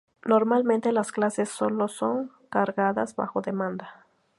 Normalmente las clases solo son cargadas bajo demanda.